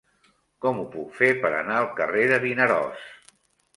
Com ho puc fer per anar al carrer de Vinaròs?